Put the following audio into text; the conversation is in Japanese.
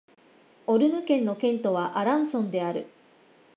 オルヌ県の県都はアランソンである